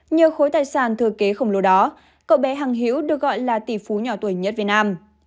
nhờ khối tài sản thừa kế khổng lồ đó cậu bé hằng hiễu được gọi là tỷ phú nhỏ tuổi nhất việt nam